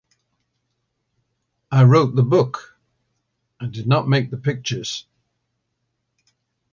I wrote the book; I did not make the pictures.